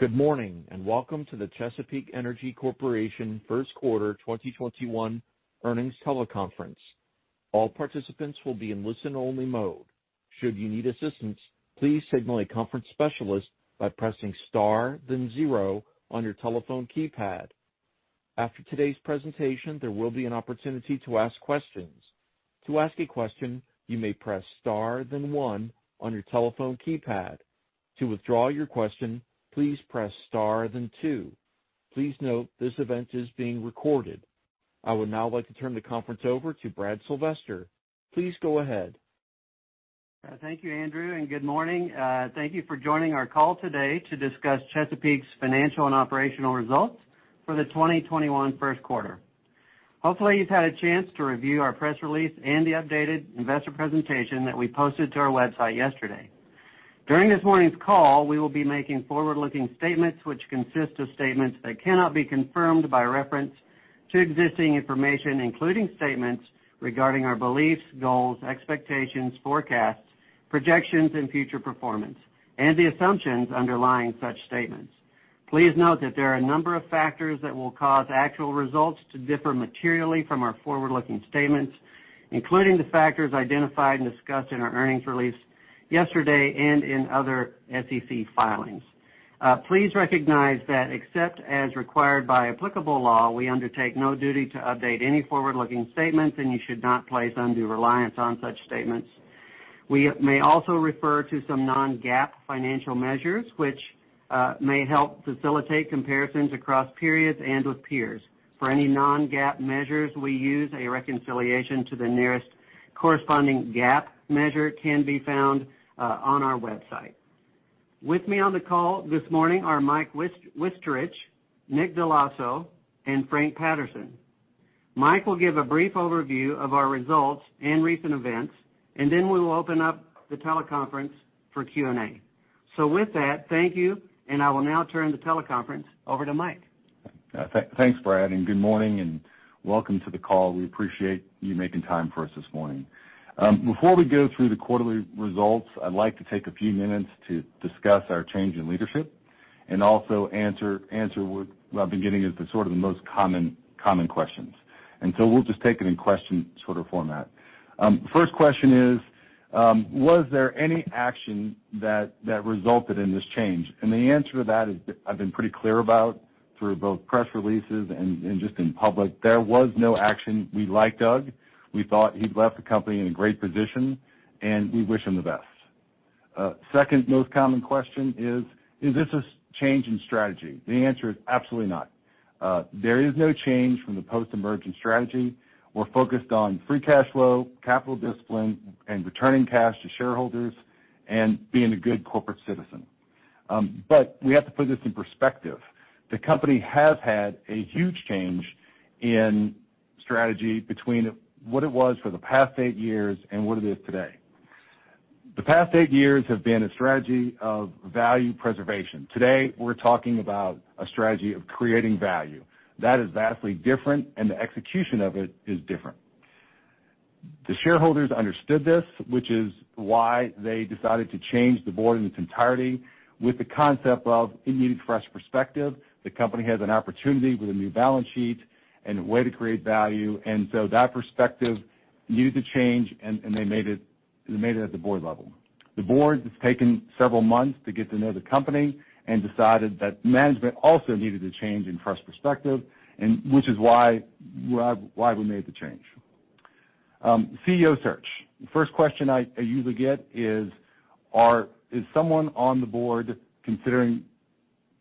Good morning, and welcome to the Chesapeake Energy Corporation first quarter 2021 earnings teleconference. All participants will be in listen only mode. Should you need assistance, please signal a conference specialist by pressing star then zero on your telephone keypad. After today's presentation, there will be an opportunity to ask questions. To ask a question, you may press star then one on your telephone keypad. To withdraw your question, please press star then two. Please note this event is being recorded. I would now like to turn the conference over to Brad Sylvester. Please go ahead. Thank you, Andrew, and good morning. Thank you for joining our call today to discuss Chesapeake's financial and operational results for the 2021 first quarter. Hopefully, you've had a chance to review our press release and the updated investor presentation that we posted to our website yesterday. During this morning's call, we will be making forward-looking statements which consist of statements that cannot be confirmed by reference to existing information, including statements regarding our beliefs, goals, expectations, forecasts, projections and future performance, and the assumptions underlying such statements. Please note that there are a number of factors that will cause actual results to differ materially from our forward-looking statements, including the factors identified and discussed in our earnings release yesterday and in other SEC filings. Please recognize that except as required by applicable law, we undertake no duty to update any forward-looking statements, and you should not place undue reliance on such statements. We may also refer to some non-GAAP financial measures, which may help facilitate comparisons across periods and with peers. For any non-GAAP measures we use, a reconciliation to the nearest corresponding GAAP measure can be found on our website. With me on the call this morning are Mike Wichterich, Nick Dell'Osso, and Frank Patterson. Mike will give a brief overview of our results and recent events, and then we will open up the teleconference for Q&A. With that, thank you, and I will now turn the teleconference over to Mike. Thanks, Brad. Good morning, and welcome to the call. We appreciate you making time for us this morning. Before we go through the quarterly results, I'd like to take a few minutes to discuss our change in leadership and also answer what I've been getting as the most common questions. We'll just take it in question format. First question is, was there any action that resulted in this change? The answer to that I've been pretty clear about through both press releases and just in public. There was no action. We liked Doug. We thought he'd left the company in a great position, and we wish him the best. Second most common question is this a change in strategy? The answer is absolutely not. There is no change from the post-emergent strategy. We're focused on free cash flow, capital discipline, and returning cash to shareholders, and being a good corporate citizen. We have to put this in perspective. The company has had a huge change in strategy between what it was for the past eight years and what it is today. The past eight years have been a strategy of value preservation. Today, we're talking about a strategy of creating value. That is vastly different, and the execution of it is different. The shareholders understood this, which is why they decided to change the board in its entirety with the concept of it needed fresh perspective. The company has an opportunity with a new balance sheet and a way to create value. That perspective needed to change, and they made it at the board level. The board has taken several months to get to know the company and decided that management also needed a change in fresh perspective, and which is why we made the change. CEO search. The first question I usually get is someone on the board considering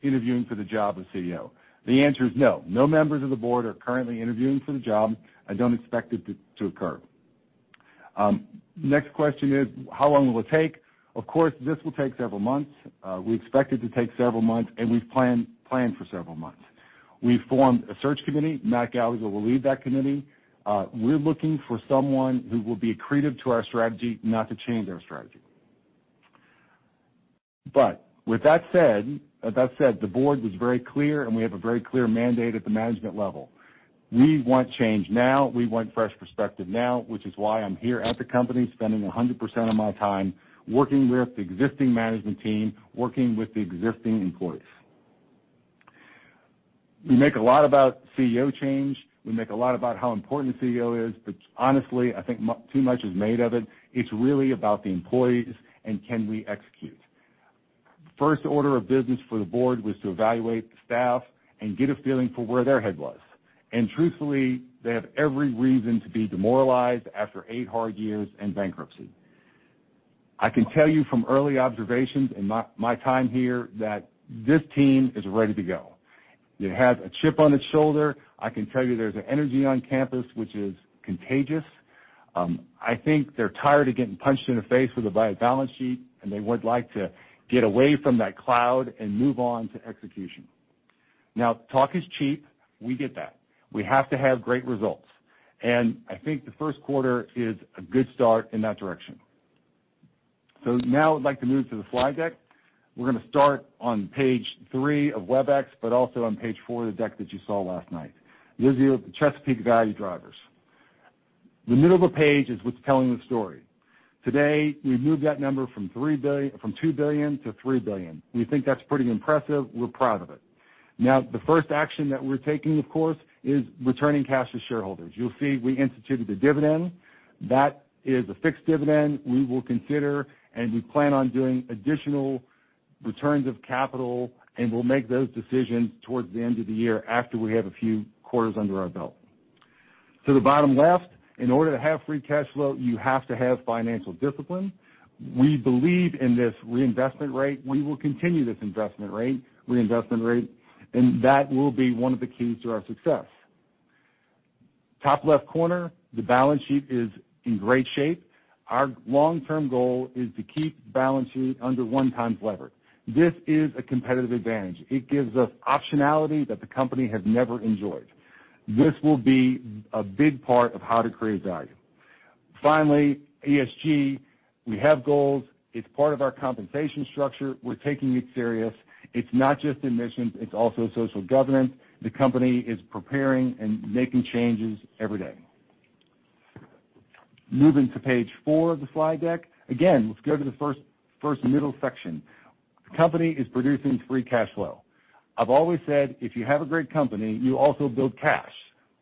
interviewing for the job of CEO? The answer is no. No members of the board are currently interviewing for the job. I don't expect it to occur. Next question is, how long will it take? Of course, this will take several months. We expect it to take several months, and we've planned for several months. We formed a search committee. Matt Gallagher will lead that committee. We're looking for someone who will be accretive to our strategy, not to change our strategy. With that said, the board was very clear, and we have a very clear mandate at the management level. We want change now. We want fresh perspective now, which is why I'm here at the company, spending 100% of my time working with the existing management team, working with the existing employees. We make a lot about CEO change. We make a lot about how important the CEO is. Honestly, I think too much is made of it. It's really about the employees and can we execute. First order of business for the board was to evaluate the staff and get a feeling for where their head was. Truthfully, they have every reason to be demoralized after eight hard years and bankruptcy. I can tell you from early observations in my time here that this team is ready to go. It has a chip on its shoulder. I can tell you there's an energy on campus which is contagious. I think they're tired of getting punched in the face with a bad balance sheet, and they would like to get away from that cloud and move on to execution. Talk is cheap. We get that. We have to have great results. I think the first quarter is a good start in that direction. Now I'd like to move to the slide deck. We're going to start on page three of Webex, but also on page four of the deck that you saw last night. It leaves you with the Expand Energy value drivers. Today, we moved that number from $2 billion to $3 billion. We think that's pretty impressive. We're proud of it. The first action that we're taking, of course, is returning cash to shareholders. You'll see we instituted a dividend. That is a fixed dividend. We will consider, and we plan on doing additional returns of capital, and we'll make those decisions towards the end of the year after we have a few quarters under our belt. To the bottom left, in order to have free cash flow, you have to have financial discipline. We believe in this reinvestment rate. We will continue this reinvestment rate, and that will be one of the keys to our success. Top left corner, the balance sheet is in great shape. Our long-term goal is to keep the balance sheet under one times lever. This is a competitive advantage. It gives us optionality that the company has never enjoyed. This will be a big part of how to create value. Finally, ESG, we have goals. It's part of our compensation structure. We're taking it serious. It's not just emissions. It's also social governance. The company is preparing and making changes every day. Moving to page four of the slide deck. Again, let's go to the first middle section. The company is producing free cash flow. I've always said, if you have a great company, you also build cash.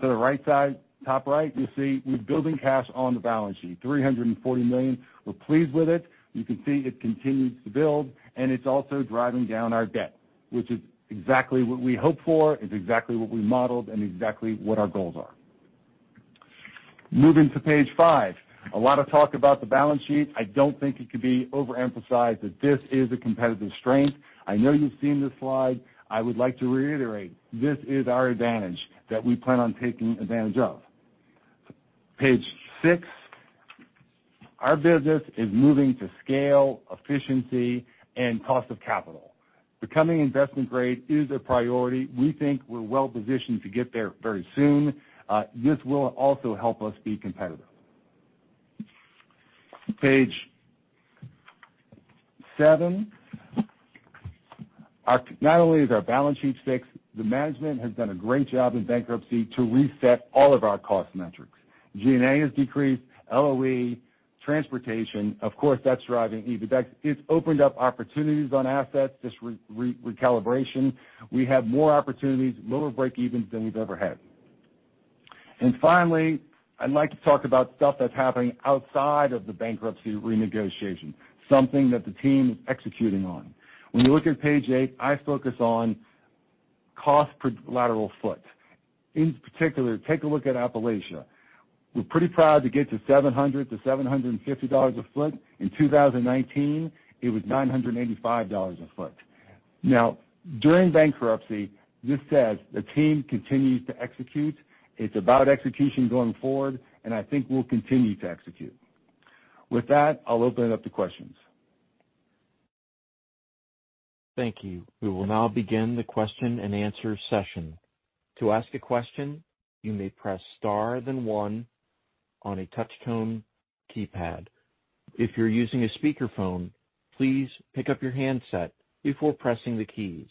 To the right side, top right, you'll see we're building cash on the balance sheet, $340 million. We're pleased with it. You can see it continues to build, and it's also driving down our debt, which is exactly what we hoped for, is exactly what we modeled, and exactly what our goals are. Moving to page five. A lot of talk about the balance sheet. I don't think it could be overemphasized that this is a competitive strength. I know you've seen this slide. I would like to reiterate, this is our advantage that we plan on taking advantage of. Page six. Our business is moving to scale, efficiency, and cost of capital. Becoming investment grade is a priority. We think we're well-positioned to get there very soon. This will also help us be competitive. Page seven. Not only is our balance sheet fixed, the management has done a great job in bankruptcy to reset all of our cost metrics. G&A has decreased, LOE, transportation. Of course, that's driving EBITDA. It's opened up opportunities on assets, this recalibration. We have more opportunities, lower break-evens than we've ever had. Finally, I'd like to talk about stuff that's happening outside of the bankruptcy renegotiation, something that the team is executing on. When you look at page eight, I focus on cost per lateral foot. In particular, take a look at Appalachia. We're pretty proud to get to $700-$750 a foot. In 2019, it was $985 a foot. During bankruptcy, this says the team continues to execute. It's about execution going forward, and I think we'll continue to execute. With that, I'll open it up to questions. Thank you. We will now begin the question and answer session. To ask a question, you may press star then one on a touch-tone keypad. If you're using a speakerphone, please pick up your handset before pressing the keys.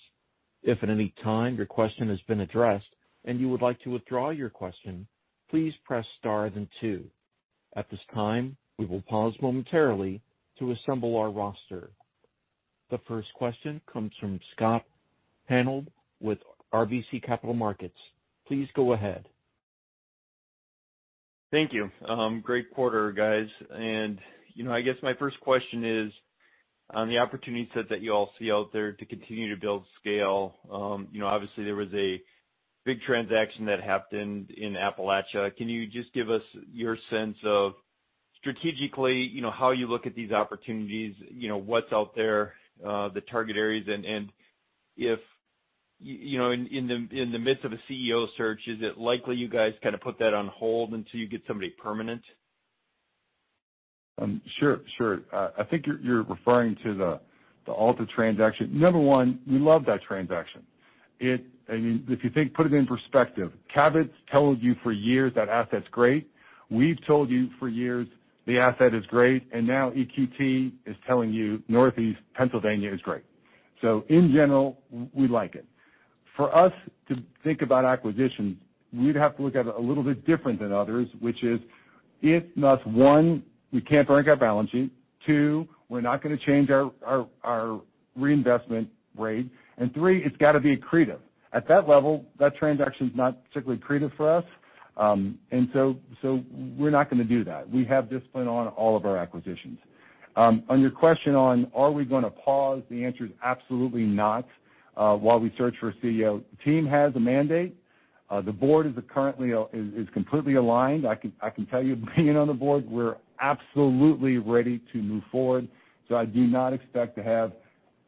If at any time your question has been addressed and you would like to withdraw your question, please press star then two. At this time, we will pause momentarily to assemble our roster. The first question comes from Scott Hanold with RBC Capital Markets. Please go ahead. Thank you. Great quarter, guys. I guess my first question is on the opportunity set that you all see out there to continue to build scale. Obviously, there was a big transaction that happened in Appalachia. Can you just give us your sense of strategically, how you look at these opportunities? What's out there, the target areas, and if in the midst of a CEO search, is it likely you guys kind of put that on hold until you get somebody permanent? Sure. I think you're referring to the Alta transaction. Number one, we love that transaction. If you put it in perspective, Cabot's told you for years that asset's great. We've told you for years the asset is great, and now EQT is telling you Northeast Pennsylvania is great. In general, we like it. For us to think about acquisitions, we'd have to look at it a little bit different than others, which is it must, one, we can't break our balance sheet. Two, we're not going to change our reinvestment rate. Three, it's got to be accretive. At that level, that transaction's not particularly accretive for us. We're not going to do that. We have discipline on all of our acquisitions. On your question on are we going to pause? The answer is absolutely not while we search for a CEO. The team has a mandate. The board is completely aligned. I can tell you, being on the board, we're absolutely ready to move forward. I do not expect to have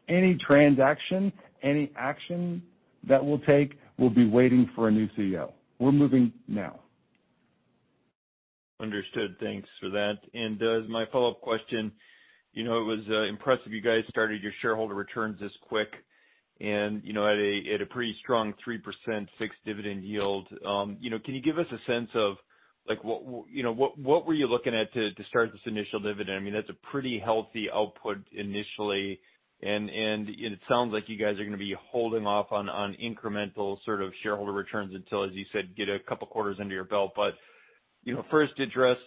any transaction, any action that we'll take will be waiting for a new CEO. We're moving now. Understood. Thanks for that. As my follow-up question, it was impressive you guys started your shareholder returns this quick and at a pretty strong 3% fixed dividend yield. Can you give us a sense of what were you looking at to start this initial dividend? That's a pretty healthy output initially, and it sounds like you guys are going to be holding off on incremental sort of shareholder returns until, as you said, get a couple of quarters under your belt. First address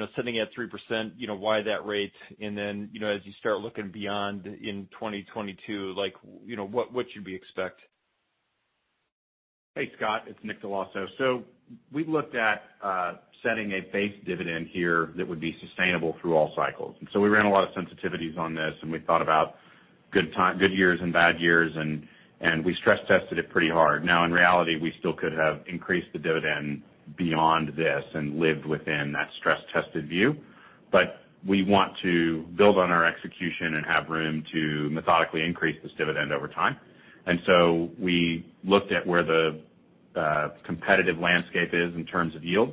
that setting it at 3%, why that rate, and then, as you start looking beyond in 2022, what should we expect? Hey, Scott Hanold, it's Nick Dell'Osso. We looked at setting a base dividend here that would be sustainable through all cycles. We ran a lot of sensitivities on this, and we thought about good years and bad years, and we stress-tested it pretty hard. Now, in reality, we still could have increased the dividend beyond this and lived within that stress-tested view. We want to build on our execution and have room to methodically increase this dividend over time. We looked at where the competitive landscape is in terms of yield.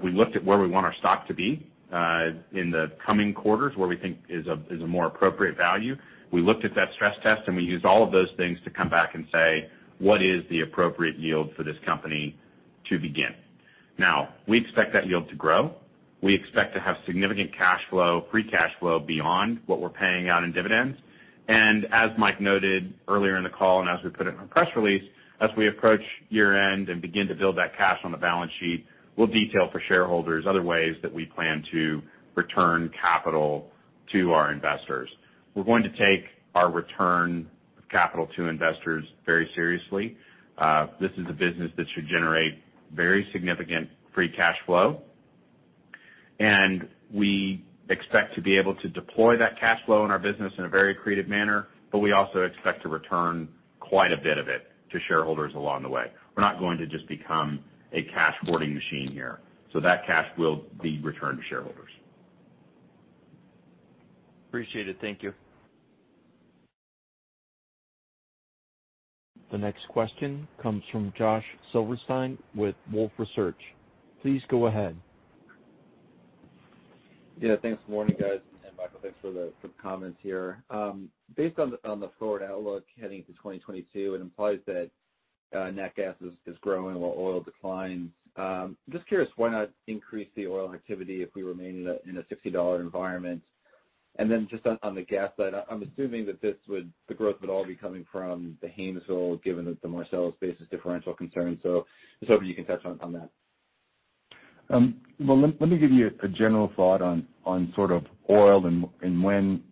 We looked at where we want our stock to be in the coming quarters, where we think is a more appropriate value. We looked at that stress test, and we used all of those things to come back and say, "What is the appropriate yield for this company to begin?" We expect that yield to grow. We expect to have significant cash flow, free cash flow beyond what we're paying out in dividends. As Mike noted earlier in the call, and as we put it in our press release, as we approach year-end and begin to build that cash on the balance sheet, we'll detail for shareholders other ways that we plan to return capital to our investors. We're going to take our return of capital to investors very seriously. This is a business that should generate very significant free cash flow. We expect to be able to deploy that cash flow in our business in a very accretive manner, but we also expect to return quite a bit of it to shareholders along the way. We're not going to just become a cash hoarding machine here. That cash will be returned to shareholders. Appreciate it. Thank you. The next question comes from Josh Silverstein with Wolfe Research. Please go ahead. Yeah, thanks. Morning, guys. Michael, thanks for the comments here. Based on the forward outlook heading into 2022, it implies that nat gas is growing while oil declines. Just curious, why not increase the oil activity if we remain in a $60 environment? Just on the gas side, I'm assuming that the growth would all be coming from the Haynesville, given the Marcellus basis differential concerns. Just hoping you can touch on that. Let me give you a general thought on sort of oil and when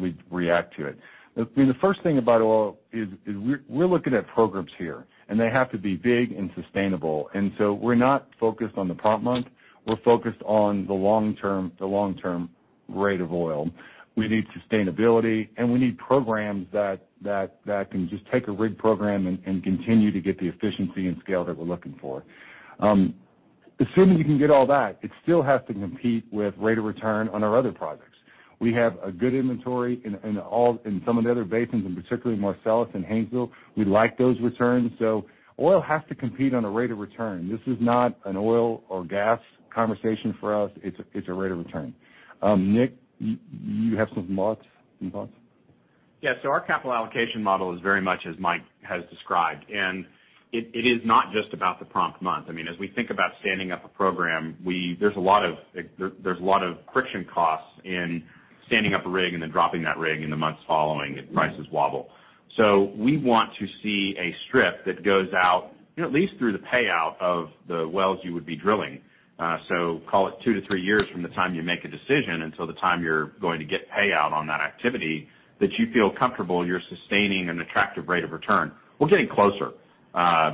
we'd react to it. I mean, the first thing about oil is we're looking at programs here, and they have to be big and sustainable. We're not focused on the prompt month. We're focused on the long-term rate of oil. We need sustainability, and we need programs that can just take a rig program and continue to get the efficiency and scale that we're looking for. Assuming you can get all that, it still has to compete with rate of return on our other projects. We have a good inventory in some of the other basins, and particularly Marcellus and Haynesville. We like those returns. Oil has to compete on a rate of return. This is not an oil or gas conversation for us. It's a rate of return. Nick, you have some thoughts? Yeah. Our capital allocation model is very much as Mike has described, and it is not just about the prompt month. I mean, as we think about standing up a program, there's a lot of friction costs in standing up a rig and then dropping that rig in the months following if prices wobble. We want to see a strip that goes out at least through the payout of the wells you would be drilling. Call it two to three years from the time you make a decision until the time you're going to get payout on that activity that you feel comfortable you're sustaining an attractive rate of return. We're getting closer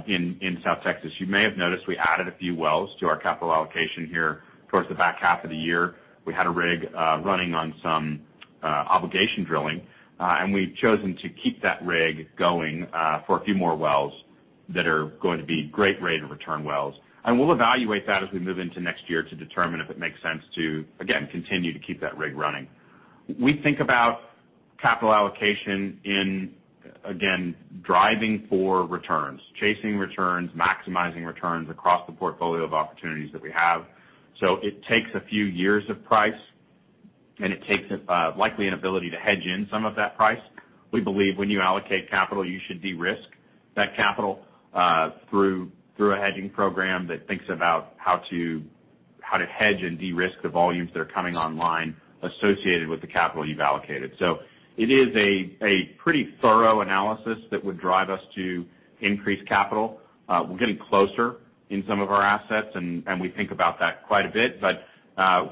in South Texas. You may have noticed we added a few wells to our capital allocation here towards the back half of the year. We had a rig running on some obligation drilling. We've chosen to keep that rig going for a few more wells that are going to be great rate of return wells. We'll evaluate that as we move into next year to determine if it makes sense to, again, continue to keep that rig running. We think about capital allocation in, again, driving for returns, chasing returns, maximizing returns across the portfolio of opportunities that we have. It takes a few years of price, and it takes likely an ability to hedge in some of that price. We believe when you allocate capital, you should de-risk that capital through a hedging program that thinks about how to hedge and de-risk the volumes that are coming online associated with the capital you've allocated. It is a pretty thorough analysis that would drive us to increase capital. We're getting closer in some of our assets, and we think about that quite a bit.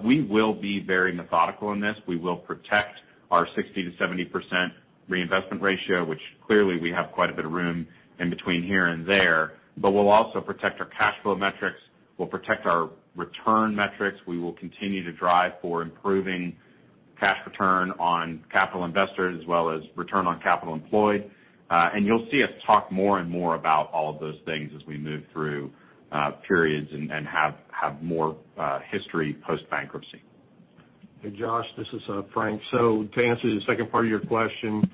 We will be very methodical in this. We will protect our 60%-70% reinvestment ratio, which clearly we have quite a bit of room in between here and there. We'll also protect our cash flow metrics. We'll protect our return metrics. We will continue to drive for improving cash return on capital investors as well as return on capital employed. You'll see us talk more and more about all of those things as we move through periods and have more history post-bankruptcy. Hey, Josh, this is Frank. To answer the second part of your question,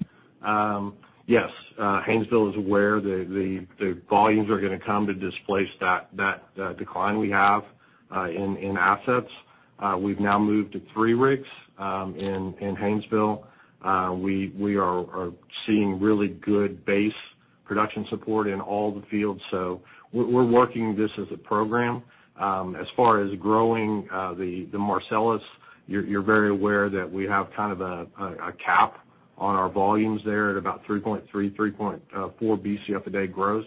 yes. Haynesville is where the volumes are going to come to displace that decline we have in assets. We've now moved to three rigs in Haynesville. We are seeing really good base production support in all the fields. We're working this as a program. As far as growing the Marcellus, you're very aware that we have kind of a cap. On our volumes there at about 3.3 to 3.4 Bcf a day gross.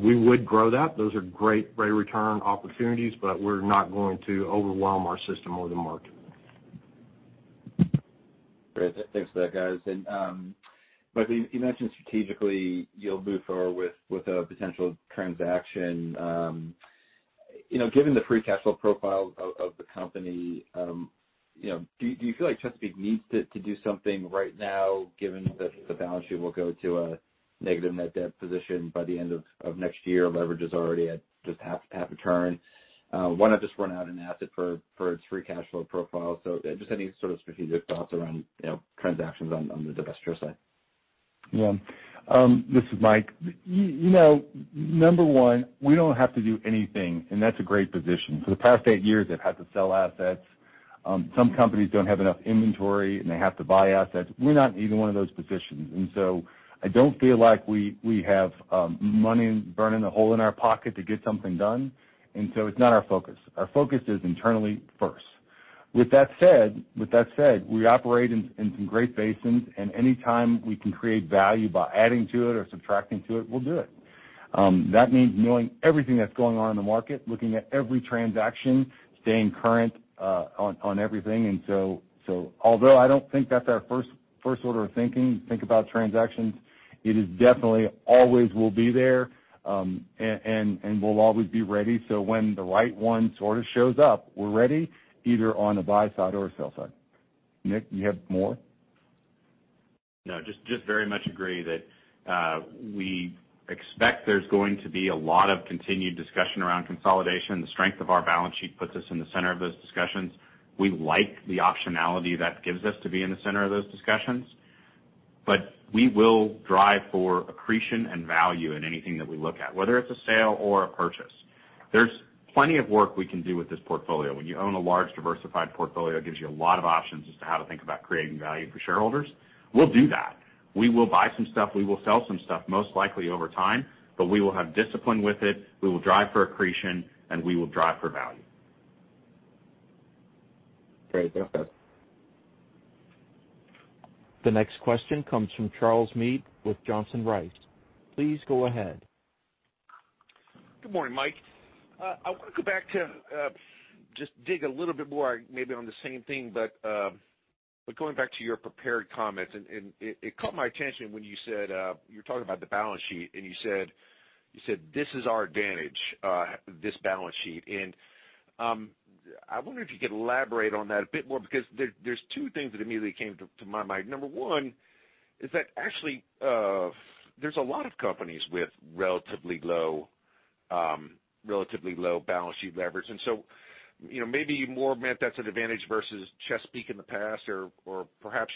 We would grow that. Those are great return opportunities, but we're not going to overwhelm our system or the market. Great. Thanks for that, guys. Mike Wichterich, you mentioned strategically you'll move forward with a potential transaction. Given the free cash flow profile of the company, do you feel like Chesapeake needs to do something right now, given that the balance sheet will go to a negative net debt position by the end of next year? Leverage is already at just 0.5x turn. Why not just run out an asset for its free cash flow profile? So just any sort of strategic thoughts around transactions on the divestiture side. This is Mike. Number one, we don't have to do anything. That's a great position. For the past eight years, they've had to sell assets. Some companies don't have enough inventory. They have to buy assets. We're not in either one of those positions. I don't feel like we have money burning a hole in our pocket to get something done. It's not our focus. Our focus is internally first. With that said, we operate in some great basins. Any time we can create value by adding to it or subtracting to it, we'll do it. That means knowing everything that's going on in the market, looking at every transaction, staying current on everything. Although I don't think that's our first order of thinking, think about transactions, it is definitely always will be there. We'll always be ready, so when the right one sort of shows up, we're ready, either on the buy side or sell side. Nick, you have more? No, just very much agree that we expect there's going to be a lot of continued discussion around consolidation. The strength of our balance sheet puts us in the center of those discussions. We like the optionality that gives us to be in the center of those discussions. We will drive for accretion and value in anything that we look at, whether it's a sale or a purchase. There's plenty of work we can do with this portfolio. When you own a large diversified portfolio, it gives you a lot of options as to how to think about creating value for shareholders. We'll do that. We will buy some stuff. We will sell some stuff, most likely over time, but we will have discipline with it. We will drive for accretion, and we will drive for value. Great. Thanks, guys. The next question comes from Charles Meade with Johnson Rice. Please go ahead. Good morning, Mike. I want to go back to just dig a little bit more, maybe on the same thing, but going back to your prepared comments, and it caught my attention when you were talking about the balance sheet, and you said, "This is our advantage, this balance sheet." I wonder if you could elaborate on that a bit more because there's two things that immediately came to my mind. Number one is that actually, there's a lot of companies with relatively low balance sheet leverage. Maybe more meant that's an advantage versus Chesapeake in the past, or perhaps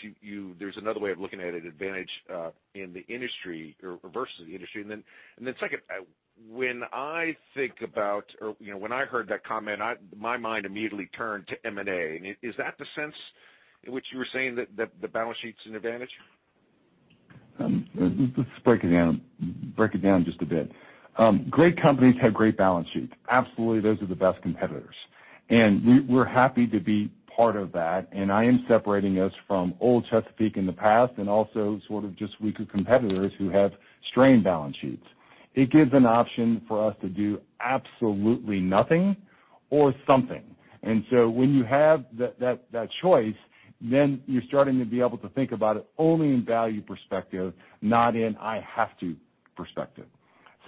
there's another way of looking at it, advantage in the industry or versus the industry. Second, when I think about or when I heard that comment, my mind immediately turned to M&A. Is that the sense in which you were saying that the balance sheet's an advantage? Let's break it down just a bit. Great companies have great balance sheets. Absolutely, those are the best competitors. We're happy to be part of that, and I am separating us from old Chesapeake in the past and also sort of just weaker competitors who have strained balance sheets. It gives an option for us to do absolutely nothing or something. When you have that choice, then you're starting to be able to think about it only in value perspective, not in I have to perspective.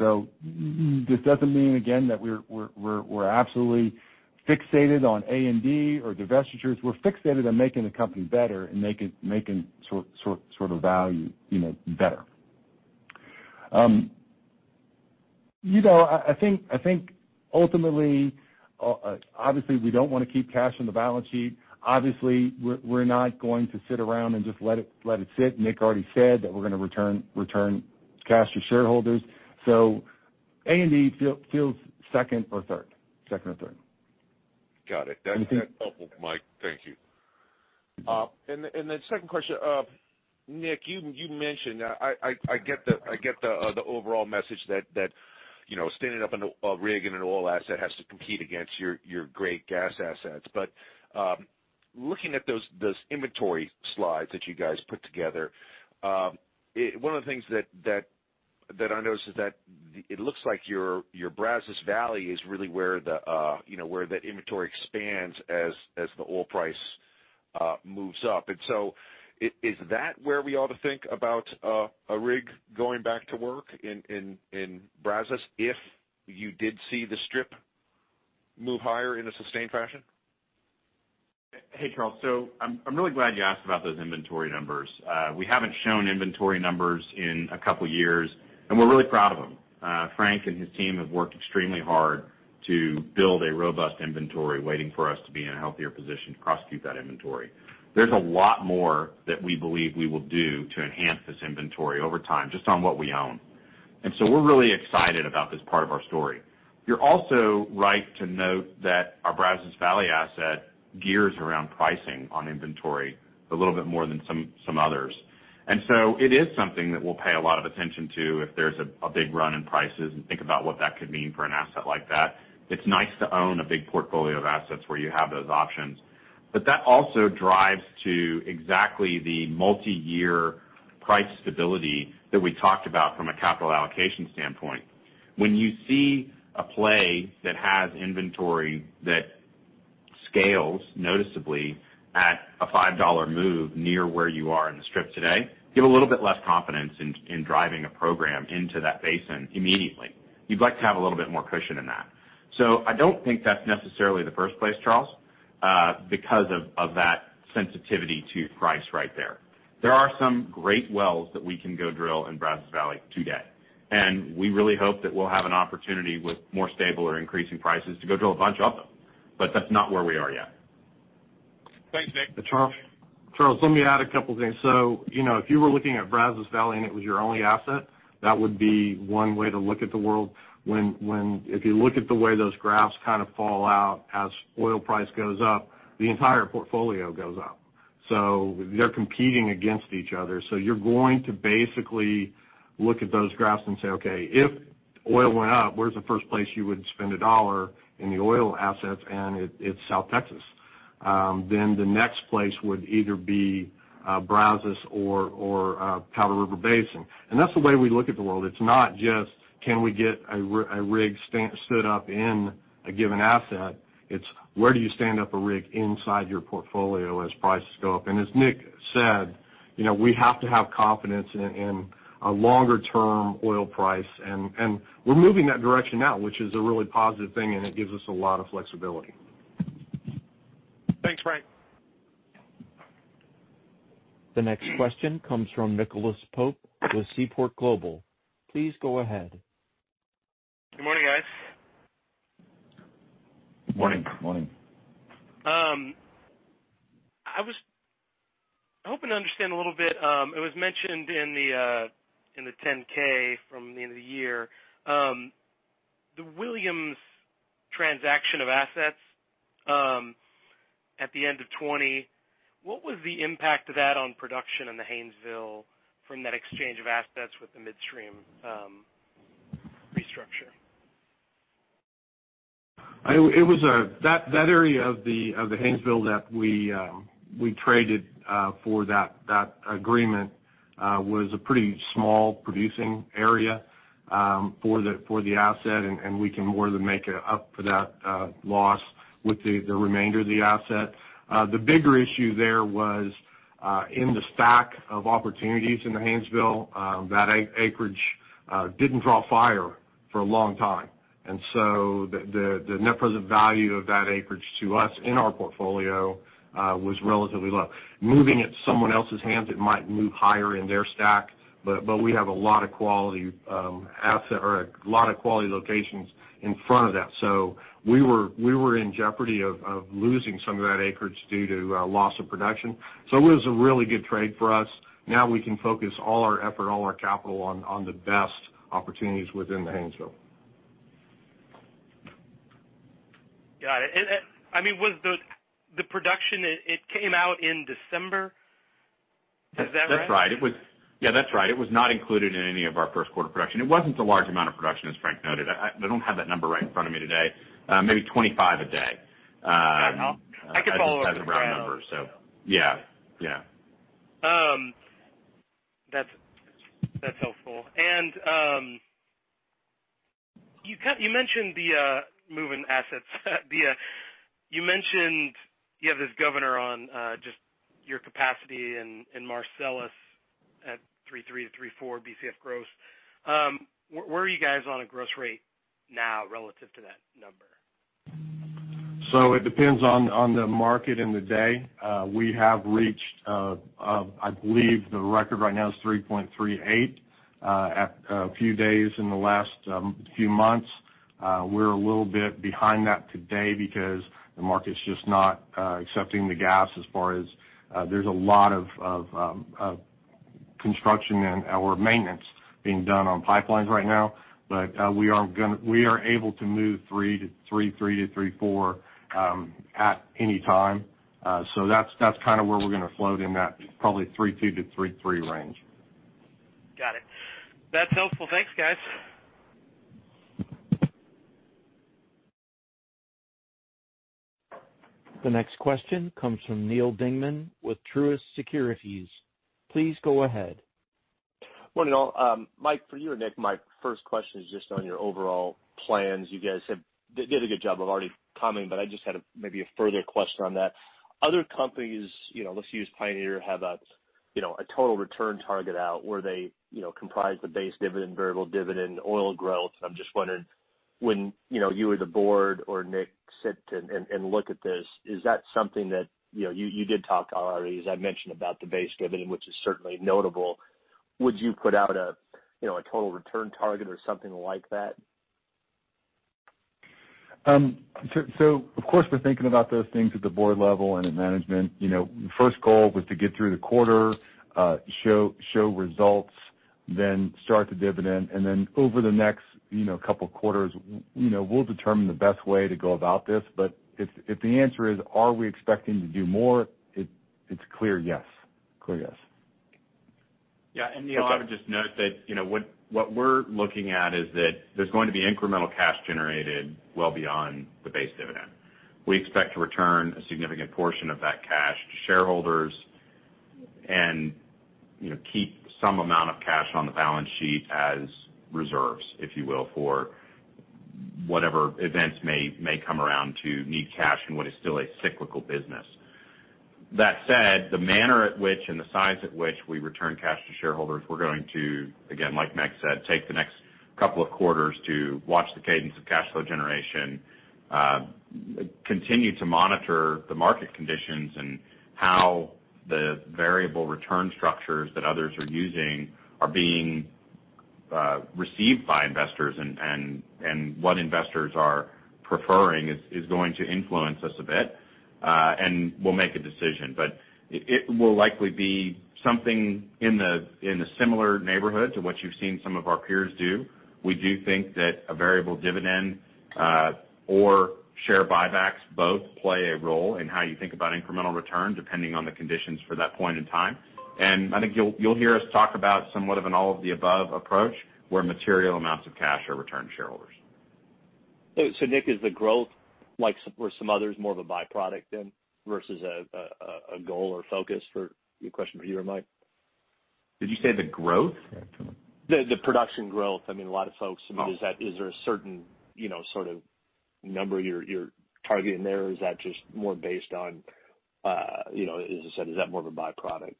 This doesn't mean, again, that we're absolutely fixated on A&D or divestitures. We're fixated on making the company better and making sort of value better. I think ultimately, obviously, we don't want to keep cash on the balance sheet. Obviously, we're not going to sit around and just let it sit. Nick already said that we're going to return cash to shareholders. A&D feels second or third. Got it. That's helpful, Mike. Thank you. The second question, Nick, I get the overall message that standing up a rig and an oil asset has to compete against your great gas assets. Looking at those inventory slides that you guys put together, one of the things that I noticed is that it looks like your Brazos Valley is really where that inventory expands as the oil price moves up. Is that where we ought to think about a rig going back to work in Brazos if you did see the strip move higher in a sustained fashion? Hey, Charles. I'm really glad you asked about those inventory numbers. We haven't shown inventory numbers in a couple of years, and we're really proud of them. Frank and his team have worked extremely hard to build a robust inventory waiting for us to be in a healthier position to prosecute that inventory. There's a lot more that we believe we will do to enhance this inventory over time, just on what we own. We're really excited about this part of our story. You're also right to note that our Brazos Valley asset gears around pricing on inventory a little bit more than some others. It is something that we'll pay a lot of attention to if there's a big run in prices, and think about what that could mean for an asset like that. It's nice to own a big portfolio of assets where you have those options. That also drives to exactly the multi-year price stability that we talked about from a capital allocation standpoint. When you see a play that has inventory that scales noticeably at a $5 move near where you are in the Strip today, you have a little bit less confidence in driving a program into that basin immediately. You'd like to have a little bit more cushion than that. I don't think that's necessarily the first place, Charles, because of that sensitivity to price right there. There are some great wells that we can go drill in Brazos Valley today, and we really hope that we'll have an opportunity with more stable or increasing prices to go drill a bunch of them. That's not where we are yet. Thanks, Nick. Charles, let me add a couple things. If you were looking at Brazos Valley and it was your only asset, that would be one way to look at the world. If you look at the way those graphs kind of fall out as oil price goes up, the entire portfolio goes up. They're competing against each other. You're going to basically look at those graphs and say, "Okay, if oil went up, where's the first place you would spend a dollar in the oil assets?" It's South Texas. The next place would either be Brazos or Powder River Basin. That's the way we look at the world. It's not just, can we get a rig stood up in a given asset? It's where do you stand up a rig inside your portfolio as prices go up? As Nick said, we have to have confidence in a longer-term oil price. We're moving that direction now, which is a really positive thing, and it gives us a lot of flexibility. Thanks, Frank. The next question comes from Nicholas Pope with Seaport Global. Please go ahead. Good morning, guys. Morning. Morning. I was hoping to understand a little bit, it was mentioned in the 10-K from the end of the year. The Williams transaction of assets at the end of 2020, what was the impact of that on production in the Haynesville from that exchange of assets with the midstream restructure? That area of the Haynesville that we traded for that agreement was a pretty small producing area for the asset, and we can more than make up for that loss with the remainder of the asset. The bigger issue there was in the stack of opportunities in the Haynesville, that acreage didn't draw fire for a long time. The net present value of that acreage to us in our portfolio was relatively low. Moving it to someone else's hands, it might move higher in their stack, but we have a lot of quality locations in front of that. We were in jeopardy of losing some of that acreage due to loss of production. It was a really good trade for us. Now we can focus all our effort, all our capital on the best opportunities within the Haynesville. Got it. The production, it came out in December. Is that right? That's right. It was not included in any of our first quarter production. It wasn't a large amount of production, as Frank noted. I don't have that number right in front of me today. Maybe 25 a day. I could follow up with the crowd. As a round number. Yeah. That's helpful. You mentioned the moving assets. You mentioned you have this governor on just your capacity in Marcellus at 3.3 Bcf-3.4 Bcf gross. Where are you guys on a gross rate now relative to that number? It depends on the market and the day. We have reached, I believe the record right now is 3.38 a few days in the last few months. We're a little bit behind that today because the market's just not accepting the gas as far as there's a lot of construction and our maintenance being done on pipelines right now. We are able to move 3.3-3.4 at any time. That's where we're going to float in that probably 3.2-3.3 range. Got it. That's helpful. Thanks, guys. The next question comes from Neal Dingmann with Truist Securities. Please go ahead. Morning, all. Mike, for you and Nick, my first question is just on your overall plans. You guys did a good job of already commenting, but I just had maybe a further question on that. Other companies, let's use Pioneer, have a total return target out where they comprise the base dividend, variable dividend, oil growth. I'm just wondering, when you or the board or Nick sit and look at this, is that something that you did talk already, as I mentioned, about the base dividend, which is certainly notable. Would you put out a total return target or something like that? Of course, we're thinking about those things at the board level and at management. First goal was to get through the quarter, show results. Start the dividend, and then over the next couple of quarters, we'll determine the best way to go about this. If the answer is, are we expecting to do more? It's clear yes. Yeah. Neal, I would just note that what we're looking at is that there's going to be incremental cash generated well beyond the base dividend. We expect to return a significant portion of that cash to shareholders and keep some amount of cash on the balance sheet as reserves, if you will, for whatever events may come around to need cash in what is still a cyclical business. That said, the manner at which and the size at which we return cash to shareholders, we're going to, again, like Mike said, take the next couple of quarters to watch the cadence of cash flow generation, continue to monitor the market conditions, and how the variable return structures that others are using are being received by investors, and what investors are preferring is going to influence us a bit. We'll make a decision. It will likely be something in a similar neighborhood to what you've seen some of our peers do. We do think that a variable dividend or share buybacks both play a role in how you think about incremental return, depending on the conditions for that point in time. I think you'll hear us talk about somewhat of an all-of-the-above approach, where material amounts of cash are returned to shareholders. Nick, is the growth, like for some others, more of a byproduct then, versus a goal or focus? A question for you or Mike? Did you say the growth? The production growth. Is there a certain sort of number you're targeting there? Is that just more based on, as I said, is that more of a byproduct?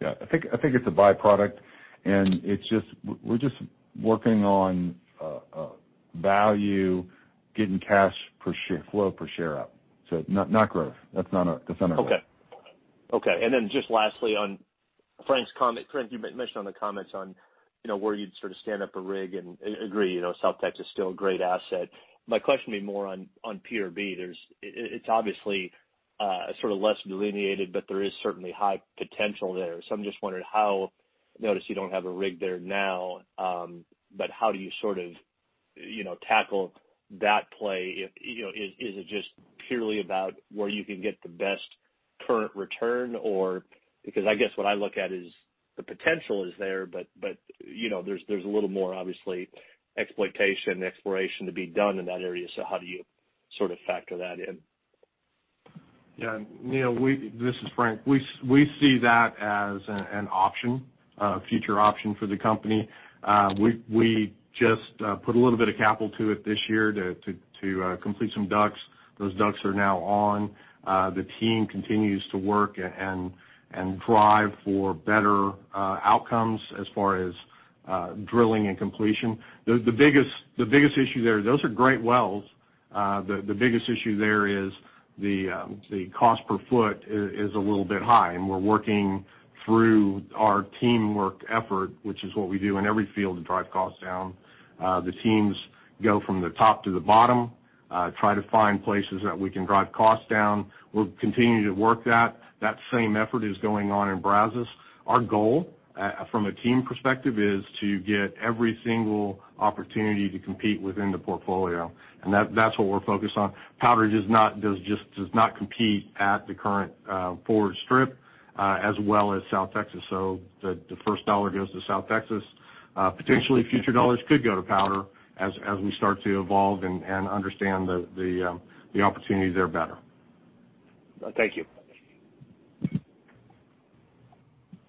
Yeah. I think it's a byproduct, and we're just working on value, getting cash flow per share out. Not growth. That's not our goal. Okay. Just lastly, on Frank's comment. Frank, you mentioned on the comments on where you'd sort of stand up a rig and agree South Texas is still a great asset. My question would be more on PRB. It's obviously sort of less delineated, but there is certainly high potential there. I'm just wondering how I notice you don't have a rig there now. How do you sort of tackle that play? Is it just purely about where you can get the best current return or I guess what I look at is the potential is there, but there's a little more, obviously, exploitation, exploration to be done in that area. How do you sort of factor that in? Neal, this is Frank. We see that as an option, a future option for the company. We just put a little bit of capital to it this year to complete some DUCs. Those DUCs are now on. The team continues to work and drive for better outcomes as far as drilling and completion. The biggest issue there, those are great wells. The biggest issue there is the cost per foot is a little bit high. We're working through our teamwork effort, which is what we do in every field to drive costs down. The teams go from the top to the bottom, try to find places that we can drive costs down. We'll continue to work that. That same effort is going on in Brazos. Our goal, from a team perspective, is to get every single opportunity to compete within the portfolio. That's what we're focused on. Powder does not compete at the current forward strip as well as South Texas. The first dollar goes to South Texas. Potentially, future dollars could go to Powder as we start to evolve and understand the opportunities there better. Thank you.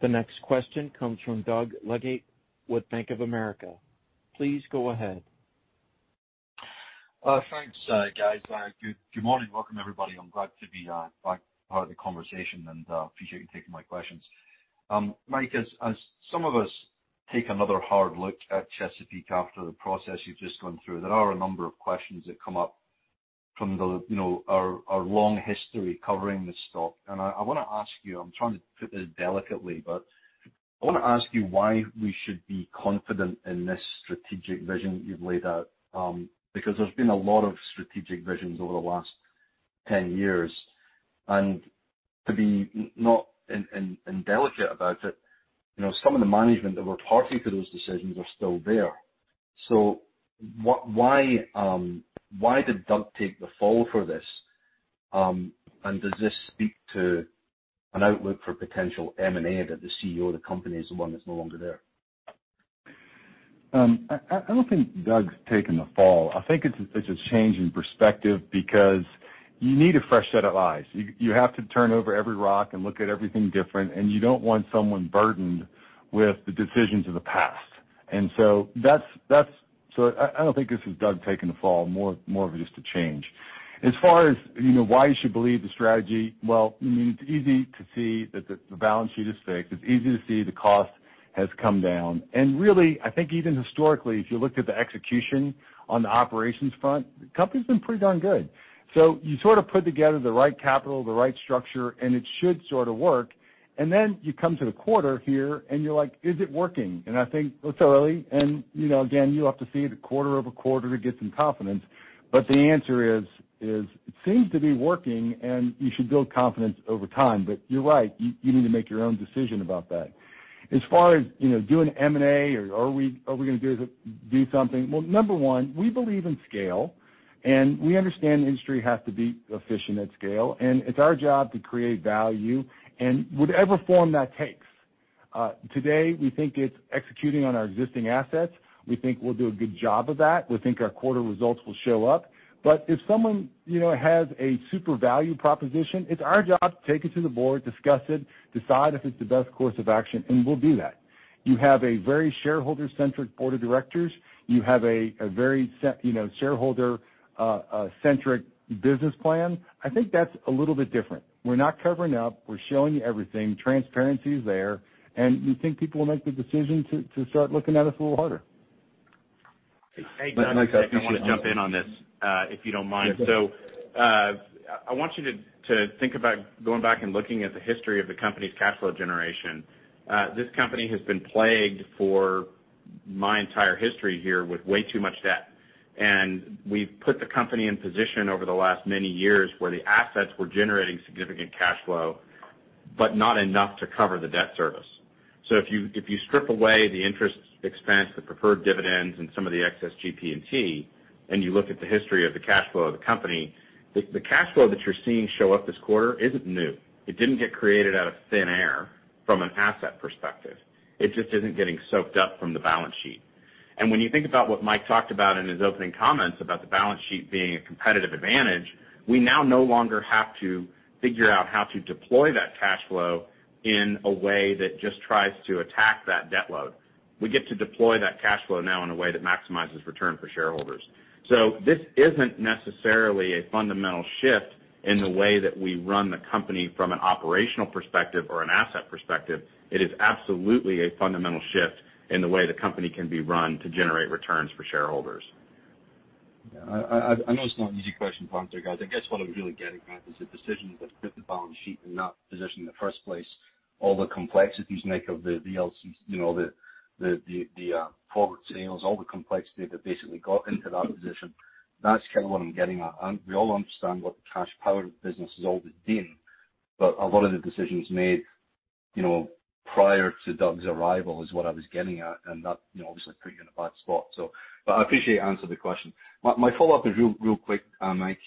The next question comes from Doug Leggate with Bank of America. Please go ahead. Thanks, guys. Good morning. Welcome, everybody. I'm glad to be back part of the conversation and appreciate you taking my questions. Mike, as some of us take another hard look at Chesapeake after the process you've just gone through, there are a number of questions that come up from our long history covering this stock. I want to ask you, I'm trying to put this delicately, but I want to ask you why we should be confident in this strategic vision that you've laid out. There's been a lot of strategic visions over the last 10 years. To be not indelicate about it, some of the management that were party to those decisions are still there. Why did Doug take the fall for this? Does this speak to an outlook for potential M&A that the CEO of the company is the one that's no longer there? I don't think Doug's taken the fall. I think it's a change in perspective because you need a fresh set of eyes. You have to turn over every rock and look at everything different, and you don't want someone burdened with the decisions of the past. I don't think this is Doug taking the fall. More of just a change. As far as why you should believe the strategy, well, it's easy to see that the balance sheet is fixed. It's easy to see the cost has come down. Really, I think even historically, if you looked at the execution on the operations front, the company's been pretty darn good. You sort of put together the right capital, the right structure, and it should sort of work. Then you come to the quarter here, and you're like, "Is it working?" I think it's early, and again, you have to see it a quarter-over-quarter to get some confidence. The answer is, it seems to be working, and you should build confidence over time. You're right, you need to make your own decision about that. As far as doing M&A, or are we going to do something? Number one, we believe in scale, and we understand the industry has to be efficient at scale, and it's our job to create value in whatever form that takes. Today, we think it's executing on our existing assets. We think we'll do a good job of that. We think our quarter results will show up. If someone has a super value proposition, it's our job to take it to the board, discuss it, decide if it's the best course of action, and we'll do that. You have a very shareholder-centric board of directors. You have a very shareholder-centric business plan. I think that's a little bit different. We're not covering up. We're showing you everything. Transparency is there, and we think people will make the decision to start looking at us a little harder. Hey, Doug, Nick, I want to jump in on this, if you don't mind. Yeah. I want you to think about going back and looking at the history of the company's cash flow generation. This company has been plagued for my entire history here with way too much debt. We've put the company in position over the last many years where the assets were generating significant cash flow, but not enough to cover the debt service. If you strip away the interest expense, the preferred dividends, and some of the excess GP&T, and you look at the history of the cash flow of the company, the cash flow that you're seeing show up this quarter isn't new. It didn't get created out of thin air from an asset perspective. It just isn't getting soaked up from the balance sheet. When you think about what Mike talked about in his opening comments about the balance sheet being a competitive advantage, we now no longer have to figure out how to deploy that cash flow in a way that just tries to attack that debt load. We get to deploy that cash flow now in a way that maximizes return for shareholders. This isn't necessarily a fundamental shift in the way that we run the company from an operational perspective or an asset perspective. It is absolutely a fundamental shift in the way the company can be run to generate returns for shareholders. I know it's not an easy question to answer, guys. I guess what I'm really getting at is the decisions that put the balance sheet in that position in the first place, all the complexities, Nick, of the forward sales, all the complexity that basically got into that position. That's kind of what I'm getting at. We all understand what the cash cow business has always been, but a lot of the decisions made prior to Doug's arrival is what I was getting at, and that obviously put you in a bad spot. I appreciate you answering the question. My follow-up is real quick, Mike.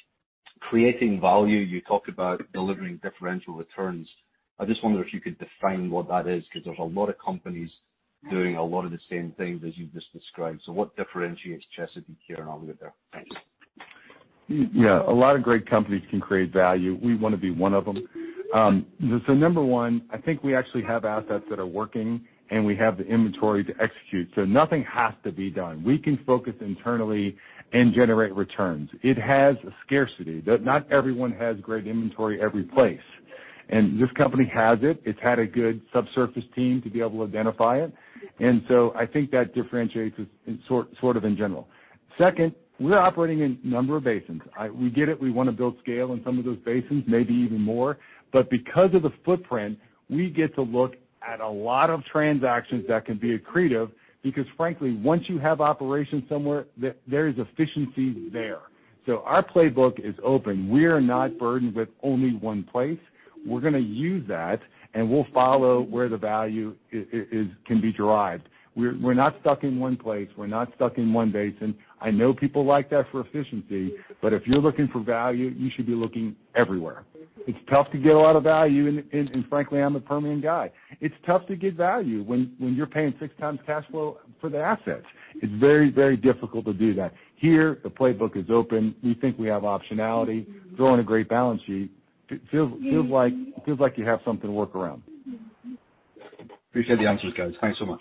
Creating value, you talked about delivering differential returns. I just wonder if you could define what that is, because there's a lot of companies doing a lot of the same things as you've just described. What differentiates Chesapeake here and out there? Thanks. Yeah. A lot of great companies can create value. We want to be one of them. Number one, I think we actually have assets that are working, and we have the inventory to execute, so nothing has to be done. We can focus internally and generate returns. It has a scarcity. Not everyone has great inventory every place, and this company has it. It's had a good subsurface team to be able to identify it. I think that differentiates us in general. Second, we're operating in a number of basins. We get it. We want to build scale in some of those basins, maybe even more. Because of the footprint, we get to look at a lot of transactions that can be accretive because frankly, once you have operations somewhere, there is efficiency there. Our playbook is open. We are not burdened with only one place. We're going to use that, and we'll follow where the value can be derived. We're not stuck in one place. We're not stuck in one basin. I know people like that for efficiency. If you're looking for value, you should be looking everywhere. It's tough to get a lot of value. Frankly, I'm a Permian guy. It's tough to get value when you're paying six times cash flow for the assets. It's very difficult to do that. Here, the playbook is open. We think we have optionality. Growing a great balance sheet. Feels like you have something to work around. Appreciate the answers, guys. Thanks so much.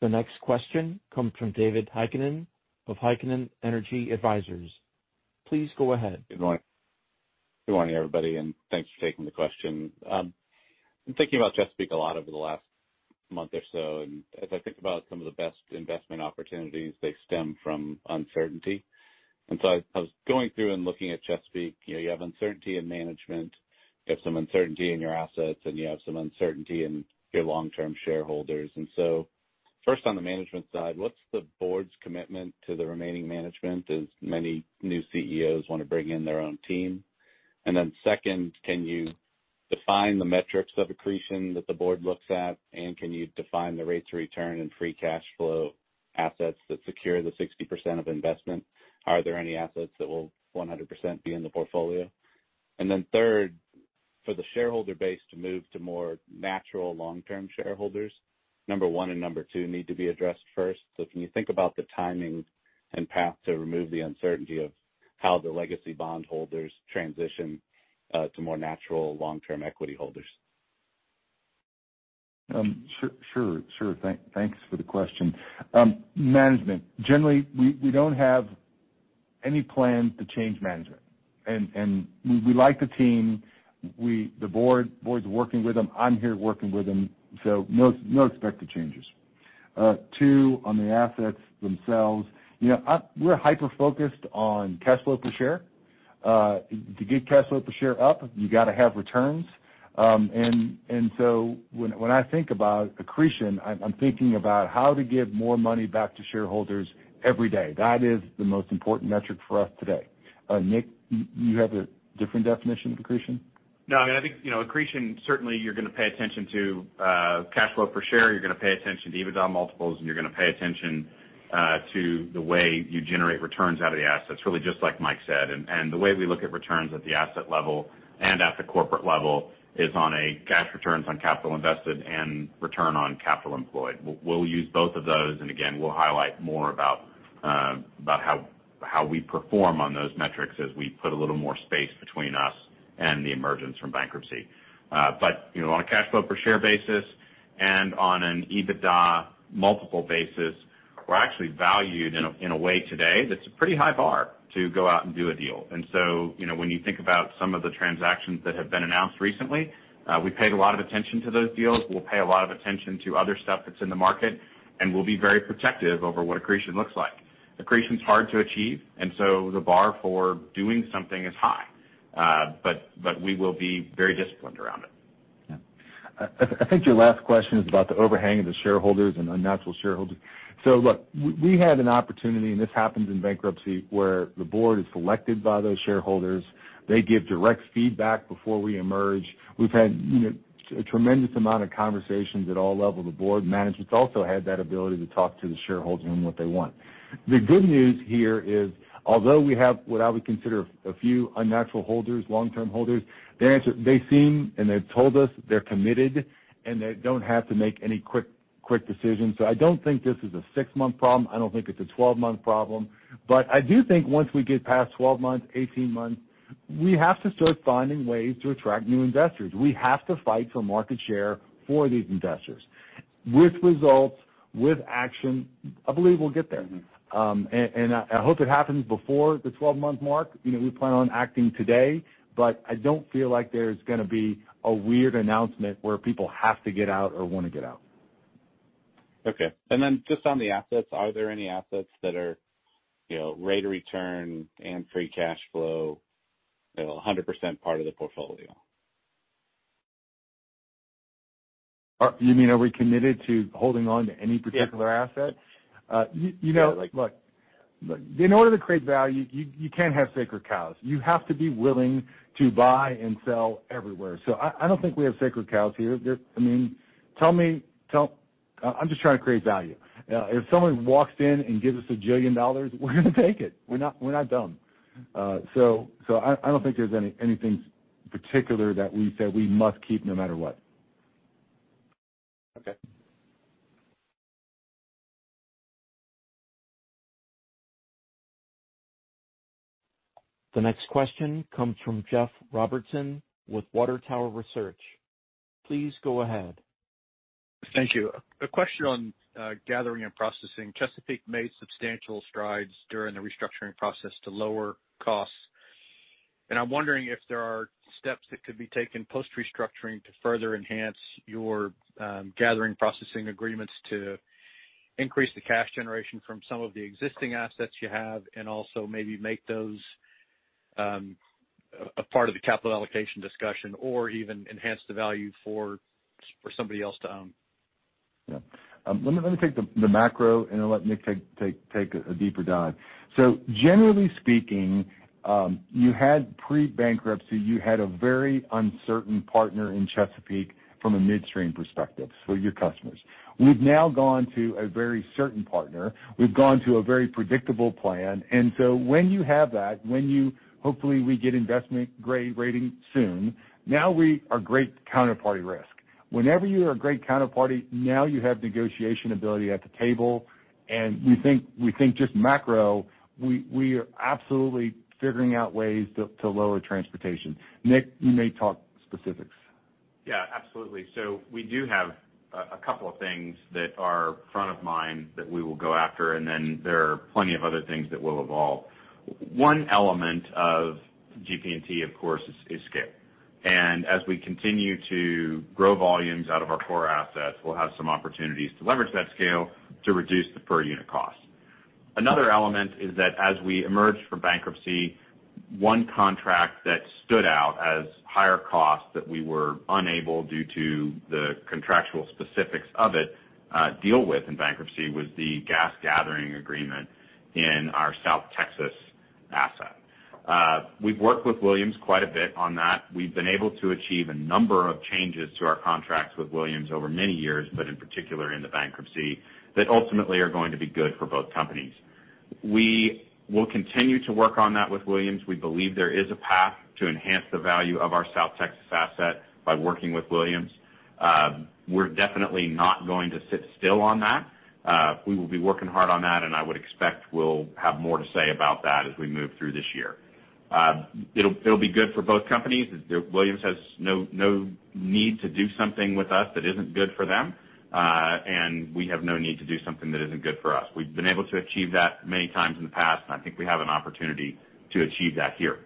The next question comes from David Heikkinen of Heikkinen Energy Advisors. Please go ahead Heikkinen Good morning, everybody, and thanks for taking the question. I'm thinking about Chesapeake a lot over the last month or so, and as I think about some of the best investment opportunities, they stem from uncertainty. I was going through and looking at Chesapeake. You have uncertainty in management, you have some uncertainty in your assets, and you have some uncertainty in your long-term shareholders. First on the management side, what's the board's commitment to the remaining management, as many new CEOs want to bring in their own team? Then second, can you define the metrics of accretion that the board looks at, and can you define the rates of return and free cash flow assets that secure the 60% of investment? Are there any assets that will 100% be in the portfolio? Then third, for the shareholder base to move to more natural long-term shareholders, number one and number two need to be addressed first. Can you think about the timing and path to remove the uncertainty of how the legacy bondholders transition to more natural long-term equity holders? Sure. Thanks for the question. Management. Generally, we don't have any plan to change management. We like the team. The board's working with them. I'm here working with them, so no expected changes. Two, on the assets themselves. We're hyper-focused on cash flow per share. To get cash flow per share up, you got to have returns. When I think about accretion, I'm thinking about how to give more money back to shareholders every day. That is the most important metric for us today. Nick, you have a different definition of accretion? No, I think accretion, certainly you're going to pay attention to cash flow per share, you're going to pay attention to EBITDA multiples, and you're going to pay attention to the way you generate returns out of the assets, really just like Mike said. The way we look at returns at the asset level and at the corporate level is on a cash returns on capital invested and return on capital employed. We'll use both of those, and again, we'll highlight more about how we perform on those metrics as we put a little more space between us and the emergence from bankruptcy. On a cash flow per share basis and on an EBITDA multiple basis, we're actually valued in a way today that's a pretty high bar to go out and do a deal. When you think about some of the transactions that have been announced recently, we paid a lot of attention to those deals. We'll pay a lot of attention to other stuff that's in the market, and we'll be very protective over what accretion looks like. Accretion is hard to achieve, and so the bar for doing something is high. We will be very disciplined around it. Yeah. I think your last question is about the overhang of the shareholders and unnatural shareholders. Look, we had an opportunity, and this happens in bankruptcy, where the board is selected by those shareholders. They give direct feedback before we emerge. We've had a tremendous amount of conversations at all levels. The board management's also had that ability to talk to the shareholders and what they want. The good news here is, although we have what I would consider a few unnatural holders, long-term holders, they seem and they've told us they're committed and they don't have to make any quick decisions. I don't think this is a six-month problem. I don't think it's a 12-month problem. I do think once we get past 12 months, 18 months, we have to start finding ways to attract new investors. We have to fight for market share for these investors. With results, with action, I believe we'll get there. I hope it happens before the 12-month mark. We plan on acting today, but I don't feel like there's going to be a weird announcement where people have to get out or want to get out. Okay. Then just on the assets, are there any assets that are rate of return and free cash flow, 100% part of the portfolio? You mean, are we committed to holding on to any particular asset? Yeah. Look, in order to create value, you can't have sacred cows. You have to be willing to buy and sell everywhere. I don't think we have sacred cows here. I'm just trying to create value. If someone walks in and gives us a jillion dollars, we're going to take it. We're not dumb. I don't think there's anything particular that we say we must keep no matter what. Okay. The next question comes from Jeff Robertson with Water Tower Research. Please go ahead. Thank you. A question on gathering and processing. Chesapeake made substantial strides during the restructuring process to lower costs. I'm wondering if there are steps that could be taken post-restructuring to further enhance your gathering, processing agreements to increase the cash generation from some of the existing assets you have, and also maybe make those a part of the capital allocation discussion, or even enhance the value for somebody else to own. Yeah. Let me take the macro, and I'll let Nick take a deeper dive. Generally speaking, pre-bankruptcy, you had a very uncertain partner in Chesapeake from a midstream perspective. Your customers. We've now gone to a very certain partner. We've gone to a very predictable plan. When you have that, hopefully we get investment-grade rating soon. Now we are great counterparty risk. Whenever you are a great counterparty, now you have negotiation ability at the table, and we think just macro, we are absolutely figuring out ways to lower transportation. Nick, you may talk specifics. Absolutely. We do have a couple of things that are front of mind that we will go after, and then there are plenty of other things that will evolve. One element of GP&T, of course, is scale. As we continue to grow volumes out of our core assets, we'll have some opportunities to leverage that scale to reduce the per unit cost. Another element is that as we emerge from bankruptcy, one contract that stood out as higher cost that we were unable, due to the contractual specifics of it, deal with in bankruptcy was the gas gathering agreement in our South Texas asset. We've worked with Williams quite a bit on that. We've been able to achieve a number of changes to our contracts with Williams over many years, in particular in the bankruptcy, that ultimately are going to be good for both companies. We will continue to work on that with Williams. We believe there is a path to enhance the value of our South Texas asset by working with Williams. We're definitely not going to sit still on that. We will be working hard on that, and I would expect we'll have more to say about that as we move through this year. It'll be good for both companies. Williams has no need to do something with us that isn't good for them, and we have no need to do something that isn't good for us. We've been able to achieve that many times in the past, and I think we have an opportunity to achieve that here.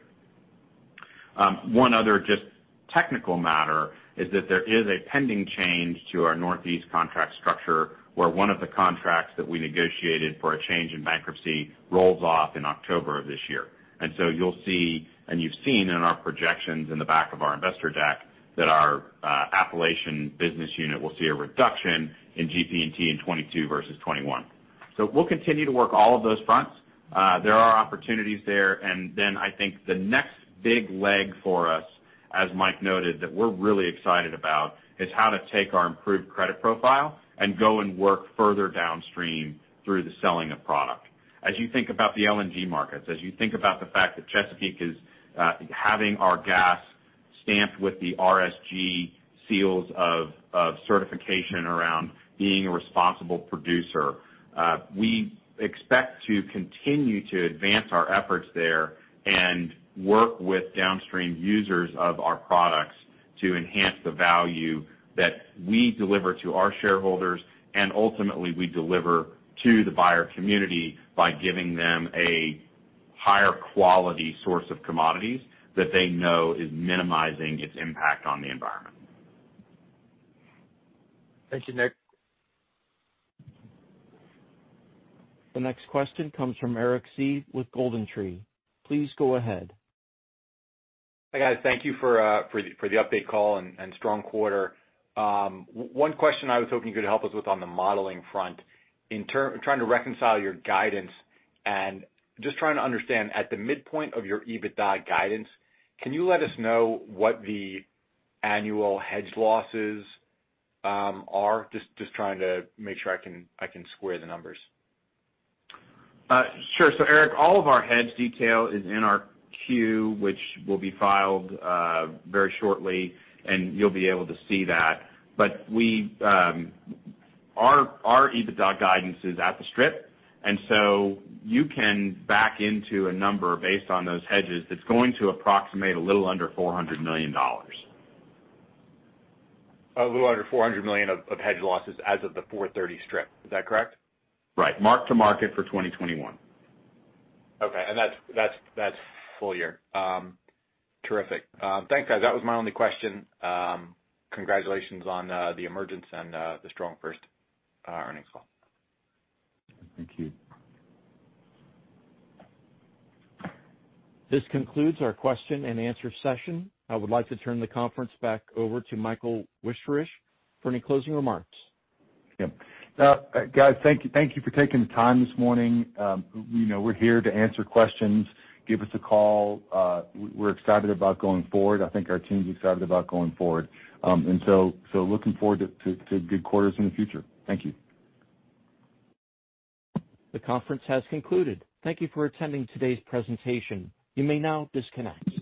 One other just technical matter is that there is a pending change to our Northeast contract structure, where one of the contracts that we negotiated for a change in bankruptcy rolls off in October of this year. You'll see, and you've seen in our projections in the back of our investor deck, that our Appalachian business unit will see a reduction in GP&T in 2022 versus 2021. We'll continue to work all of those fronts. There are opportunities there. Then I think the next big leg for us, as Mike noted, that we're really excited about, is how to take our improved credit profile and go and work further downstream through the selling of product. As you think about the LNG markets, as you think about the fact that Chesapeake is having our gas stamped with the RSG seals of certification around being a responsible producer, we expect to continue to advance our efforts there and work with downstream users of our products to enhance the value that we deliver to our shareholders, and ultimately, we deliver to the buyer community by giving them a higher quality source of commodities that they know is minimizing its impact on the environment. Thank you, Nick. The next question comes from Eric Seeve with GoldenTree. Please go ahead. Hi, guys. Thank you for the update call and strong quarter. One question I was hoping you could help us with on the modeling front. In trying to reconcile your guidance and just trying to understand at the midpoint of your EBITDA guidance, can you let us know what the annual hedge losses are? Just trying to make sure I can square the numbers. Sure, Eric, all of our hedge detail is in our Quarter, which will be filed very shortly, and you'll be able to see that. Our EBITDA guidance is at the strip, you can back into a number based on those hedges that's going to approximate a little under $400 million. A little under $400 million of hedge losses as of the 430 strip. Is that correct? Right. Mark to market for 2021. Okay. That's full year. Terrific. Thanks, guys. That was my only question. Congratulations on the emergence and the strong first earnings call. Thank you. This concludes our question and answer session. I would like to turn the conference back over to Michael Wichterich for any closing remarks. Yeah. Guys, thank you for taking the time this morning. We're here to answer questions. Give us a call. We're excited about going forward. I think our team's excited about going forward. Looking forward to good quarters in the future. Thank you. The conference has concluded. Thank you for attending today's presentation. You may now disconnect.